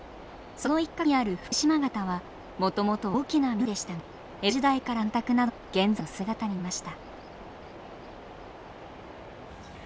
その一角にある福島潟はもともと大きな湖でしたが江戸時代からの干拓などで現在の姿になりました。